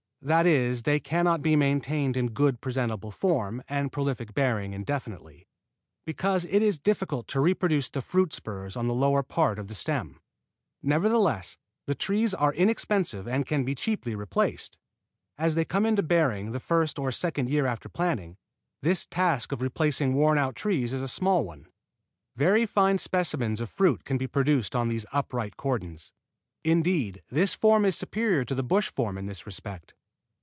That is they cannot be maintained in good presentable form and prolific bearing indefinitely, because it is difficult to reproduce the fruit spurs on the lower part of the stem. Nevertheless the trees are inexpensive and can be cheaply replaced. As they come into bearing the first or second year after planting, this task of replacing worn out trees is a small one. Very fine specimens of fruit can be produced on these upright cordons. Indeed this form is superior to the bush form in this respect.